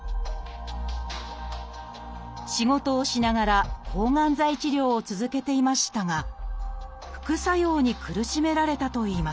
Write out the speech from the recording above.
仕事をしながら抗がん剤治療を続けていましたが副作用に苦しめられたといいます